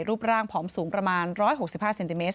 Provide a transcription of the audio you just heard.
รูปร่างผอมสูงประมาณ๑๖๕เซนติเมต